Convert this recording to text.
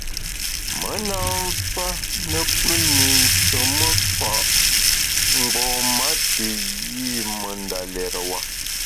Me na mfa ne pùn ne nsheme fa’ mgbom-a te yi me ndalérewa.